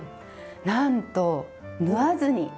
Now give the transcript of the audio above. なんと縫わずに！